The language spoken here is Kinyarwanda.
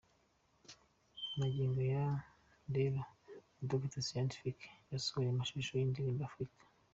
Magingo aya rero Dr Scientific yasohoye amashusho y'indirimbo 'Afrika'.